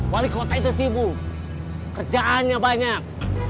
wali kota itu sibuk kerjaannya banyak